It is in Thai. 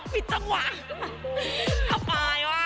วิ่งจังวะ